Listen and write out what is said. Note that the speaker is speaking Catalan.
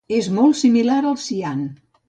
És molt similar al cian.